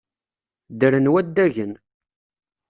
Ddren waddagen.